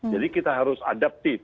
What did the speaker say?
jadi kita harus adaptif